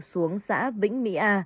xuống xã vĩnh mỹ a